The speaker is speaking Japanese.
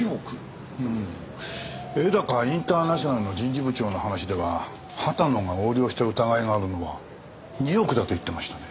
絵高インターナショナルの人事部長の話では畑野が横領した疑いがあるのは２億だと言ってましたね。